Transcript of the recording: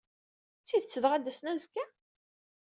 D tidet dɣa, ad d-asen azekka?